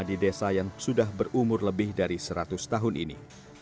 di desa yang sudah berumur lebih dari seratus tahun ini